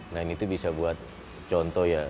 nah ini tuh bisa buat contoh ya